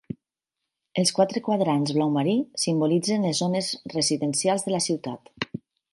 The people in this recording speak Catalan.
Els quatre quadrants blau marí simbolitzen les zones residencials de la ciutat.